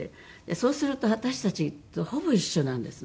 そうすると私たちとほぼ一緒なんですね。